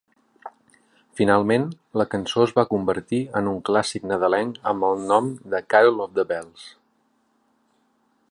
Finalment, la cançó es va convertir en un clàssic nadalenc amb el nom de "Carol of the Bells".